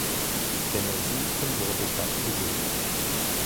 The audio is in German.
Dem Ersuchen wurde stattgegeben.